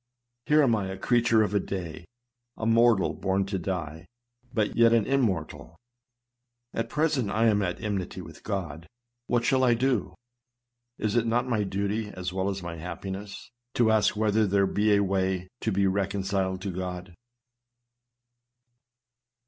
Here am I, a creature of a day, a mortal born to die, but yet an immortal ! At present I am at enmity with God. What shall I do ? Is it not my duty, as well as my happiness, to ask whether there be a way to be reconciled to God